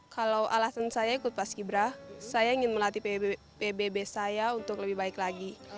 kalau alasan saya ikut paski bra saya ingin melatih pbb saya untuk lebih baik lagi